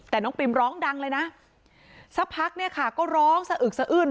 แต่น้องปิมร้องดังเลยนะสักพักเนี่ยค่ะก็ร้องสะอึกสะอื้น